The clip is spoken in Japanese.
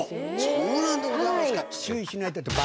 そうなんでございますか。